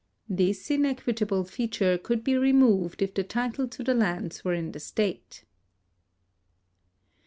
This inequitable feature could be removed if the title to the lands were in the state.